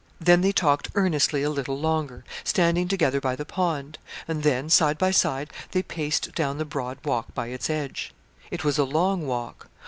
Then they talked earnestly a little longer, standing together by the pond; and then, side by side, they paced down the broad walk by its edge. It was a long walk.